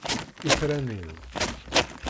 Itran-iw!